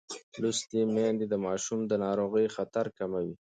لوستې میندې د ماشوم د ناروغۍ خطر کموي.